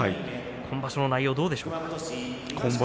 今場所の内容どうですか？